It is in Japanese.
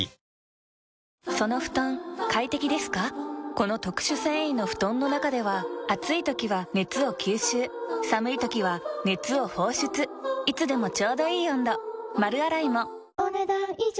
この特殊繊維の布団の中では暑い時は熱を吸収寒い時は熱を放出いつでもちょうどいい温度丸洗いもお、ねだん以上。